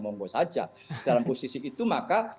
monggo saja dalam posisi itu maka